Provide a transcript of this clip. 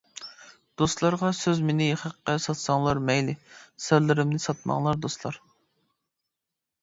دوستلارغا سۆز مېنى خەققە ساتساڭلار مەيلى، سىرلىرىمنى ساتماڭلار دوستلار.